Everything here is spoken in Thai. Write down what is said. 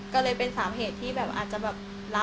อ๋อก็เลยเป็นสามเหตุที่แบบอาจจะแบบลาอ่อ